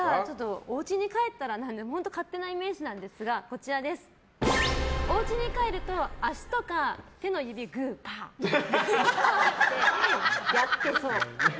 じゃあ本当に勝手なイメージなんですがおうちに帰ると足とか手の指グーパーってやってそう。